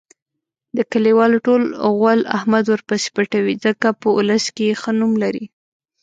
د کلیوالو ټول غول احمد ورپسې پټوي. ځکه په اولس کې ښه نوم لري.